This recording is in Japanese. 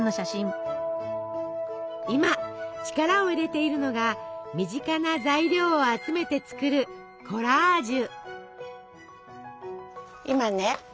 今力を入れているのが身近な材料を集めて作るコラージュ。